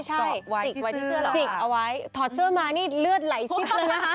ใช่จิกไว้ที่เสื้อเหรอจิกเอาไว้ถอดเสื้อมานี่เลือดไหลซิบเลยนะคะ